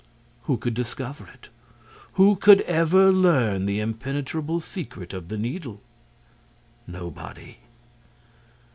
Who could discover it? Who could ever learn the impenetrable secret of the Needle? Nobody.